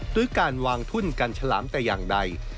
หรือการวางทุ่นกันฉลามแต่อย่างใด